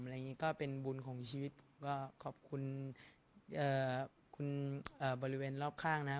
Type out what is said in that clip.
อะไรอย่างนี้ก็เป็นบุญของชีวิตผมก็ขอบคุณคุณบริเวณรอบข้างนะครับ